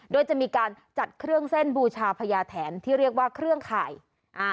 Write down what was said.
โดยจะมีการจัดเครื่องเส้นบูชาพญาแถนที่เรียกว่าเครื่องข่ายอ่า